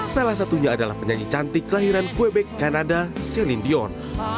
salah satunya adalah penyanyi cantik kelahiran quebek kanada selin dion